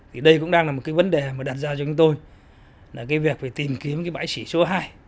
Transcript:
thì đây cũng đang là một cái vấn đề mà đặt ra cho chúng tôi là cái việc phải tìm kiếm cái bãi sỉ số hai